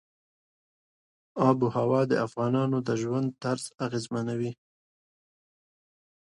آب وهوا د افغانانو د ژوند طرز اغېزمنوي.